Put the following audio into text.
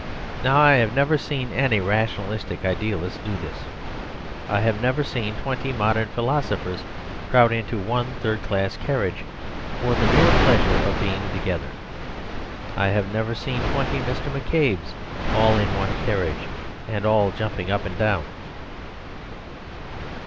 Now I have never seen any rationalistic idealists do this. I have never seen twenty modern philosophers crowd into one third class carriage for the mere pleasure of being together. I have never seen twenty Mr. McCabes all in one carriage and all jumping up and down.